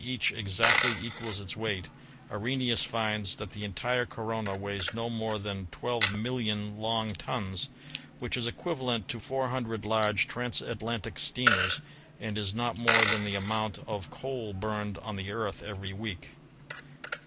each exactly equals its weight, Arrhenius finds that the entire corona weighs no more than 12,000,000 long tons, which is equivalent to four hundred large trans atlantic steamers, and is not more than the amount of coal burned on the Earth every week.